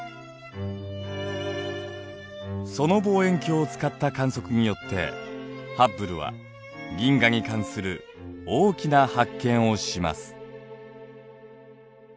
その望遠鏡を使った観測によってハッブルは銀河に関する大きな発見をします。